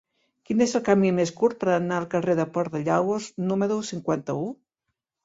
Quin és el camí més curt per anar al carrer del Port de Lagos número cinquanta-u?